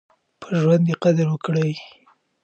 په ژوند يې قدر وکړئ.